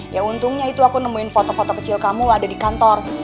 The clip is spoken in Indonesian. ya untungnya itu aku nemuin foto foto kecil kamu ada di kantor